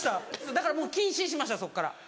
だからもう禁止にしましたそっから。